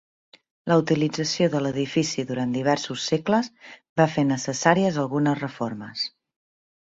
La utilització de l'edifici durant diversos segles va fer necessàries algunes reformes.